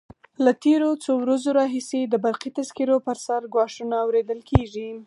له تېرو څو ورځو راهیسې د برقي تذکرو پر سر ګواښونه اورېدل کېږي.